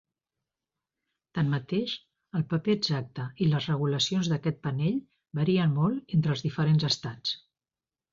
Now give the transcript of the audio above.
Tanmateix, el paper exacte i las regulacions d'aquest panell varien molt entre els diferents estats.